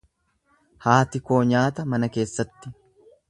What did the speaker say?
Haati koo nyaata mana keessatti.